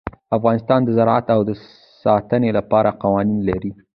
افغانستان د زراعت د ساتنې لپاره قوانین لري.